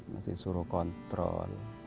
masih suruh kontrol